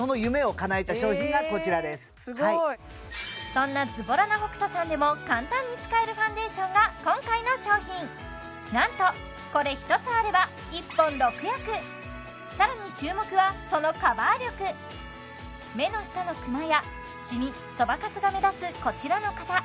そんなズボラな北斗さんでも簡単に使えるファンデーションが今回の商品なんとこれ１つあれば更に注目はそのカバー力目の下のクマやシミそばかすが目立つこちらの方